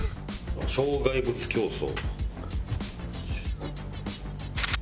障害物競走。